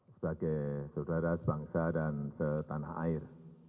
sebagai saudara sebangsa dan setanah air